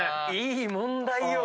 いい問題よ。